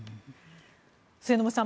末延さん